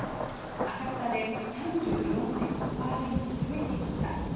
浅草で３４．５％増えていました。